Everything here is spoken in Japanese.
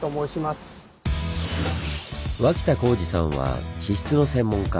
脇田浩二さんは地質の専門家。